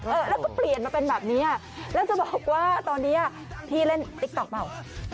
เออแล้วก็เปลี่ยนมาเป็นแบบนี้แล้วจะบอกว่าตอนนี้พี่เล่นติ๊กต๊อกเบา